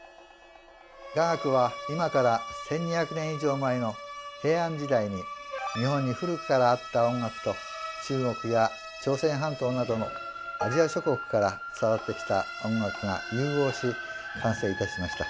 雅楽は今から１，２００年以上前の平安時代に日本に古くからあった音楽と中国や朝鮮半島などのアジア諸国から伝わってきた音楽が融合し完成いたしました。